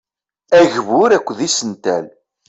Agbur akked isental.